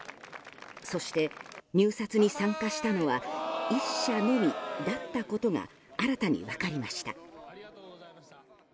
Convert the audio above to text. そして、入札に参加したのは１社のみだったことが新たに分かりました。